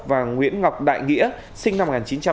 và nguyễn ngọc đại nghĩa sinh năm một nghìn chín trăm tám mươi